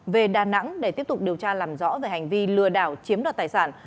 về đà nẵng để tiếp tục điều tra làm rõ về hành vi lừa đảo chiếm đoạt tài sản